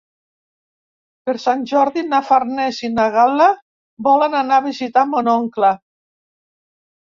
Per Sant Jordi na Farners i na Gal·la volen anar a visitar mon oncle.